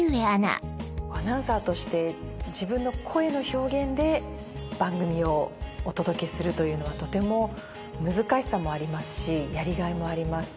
アナウンサーとして自分の声の表現で番組をお届けするというのはとても難しさもありますしやりがいもあります。